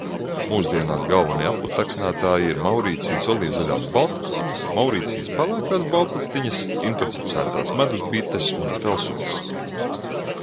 Mūsdienās galvenie apputeksnētāji ir Maurīcijas olīvzaļās baltactiņas, Maurīcijas pelēkās baltactiņas, introducētās medusbites un felsumas.